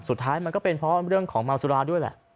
สุดท้ายมันก็เป็นเพราะเรื่องของเมาสุราด้วยแหละ